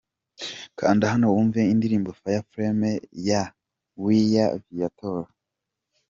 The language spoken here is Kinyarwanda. Kanda hano wumve indirimbo’Fireflame’ ya Weya Viatora .